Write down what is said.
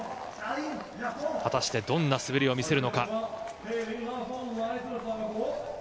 果たしてどんな滑りを見せるのか。